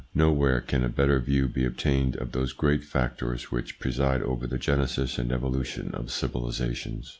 Nowhere can a better view be obtained of those great factors which preside over the genesis and evolution of civilisa tions.